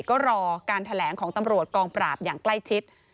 ก็รอการแถลงของตำรวจกองปราบอย่างใกล้ชิด